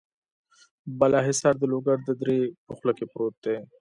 بالا حصار د لوګر د درې په خوله کې پروت دی.